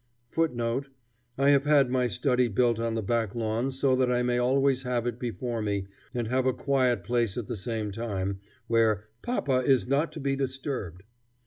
[Footnote: I have had my study built on the back lawn so that I may always have it before me, and have a quiet place at the same time, where "papa is not to be disturbed."